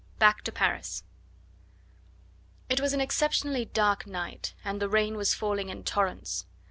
BACK TO PARIS It was an exceptionally dark night, and the rain was falling in torrents.